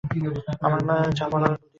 আমার যা বলবার কথা তা আমাকে বলতেই হবে।